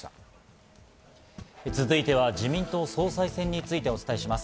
続いては自民党総裁選についてお伝えします。